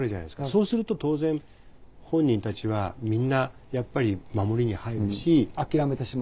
そうすると当然本人たちはみんなやっぱり守りに入るし。